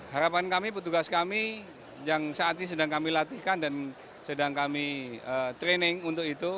harapan kami petugas kami yang saat ini sedang kami latihkan dan sedang kami training untuk itu